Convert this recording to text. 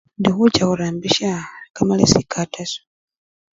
Indi khucha khurambisya kamalesi ka TASO.